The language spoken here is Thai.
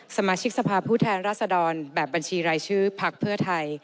สมาชิกสภาพผู้แทนรัศดรแบบบัญชีรายชื่อพักเพื่อไทย